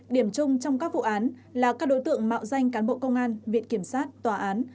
điểm chung trong các vụ án là các đối tượng mạo danh cán bộ công an viện kiểm sát tòa án